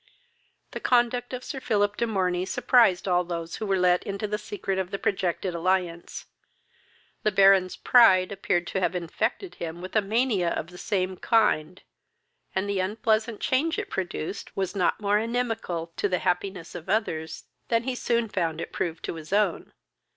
The conduct of Sir Philip de Morney surprised all those who were let into the secret of the projected alliance. The Baron's pride appeared to have infected him with a mania of the same kind; and the unpleasant change it produced was not more inimical to the happiness of others than he soon found it proved to his own.